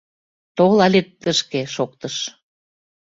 Тол але тышке! — шоктыш.